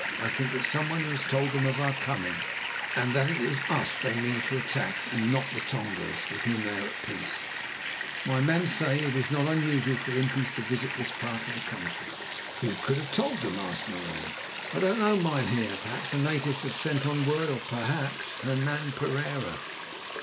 I think that someone has told them of our coming, and that it is us they mean to attack and not the Tongas, with whom they are at peace. My men say that it is not usual for impis to visit this part of the country." "Who could have told them?" asked Marais. "I don't know, mynheer. Perhaps the natives have sent on word, or perhaps—Hernan Pereira."